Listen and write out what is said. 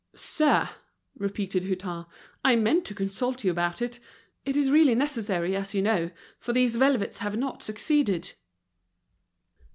"Sir," repeated Hutin, "I meant to consult you about it. It is really necessary, as you know, for these velvets have not succeeded."